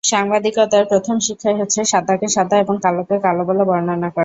সাংবাদিকতার প্রথম শিক্ষাই হচ্ছে সাদাকে সাদা এবং কালোকে কালো বলে বর্ণনা করা।